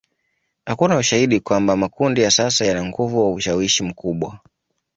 Hakuna ushahidi kwamba makundi ya sasa yana nguvu au ushawishi mkubwa.